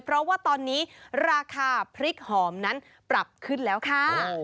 เพราะว่าตอนนี้ราคาพริกหอมนั้นปรับขึ้นแล้วค่ะ